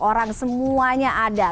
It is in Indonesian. orang semuanya ada